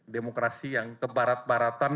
demokrasi yang kebarat baratan